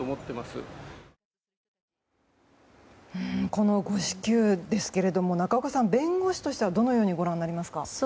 この誤支給ですが仲岡さん弁護士としてはどのようにご覧になりますか。